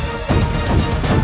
dan menangkap kake guru